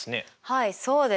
はいそうですね。